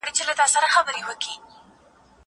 زه هره ورځ سبا ته فکر کوم!